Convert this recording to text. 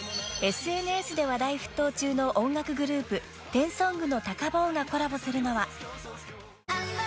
［ＳＮＳで話題沸騰中の音楽グループＴＥＮＳＯＮＧのたか坊がコラボするのは］